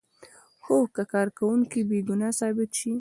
هو که کارکوونکی بې ګناه ثابت شي.